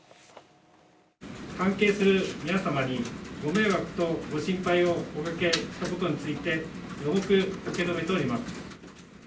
関係する皆様にご迷惑とご心配をおかけしたことについて、重く受け止めております。